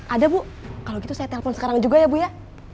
ada bu kalau gitu saya telpon sekarang juga ya bu ya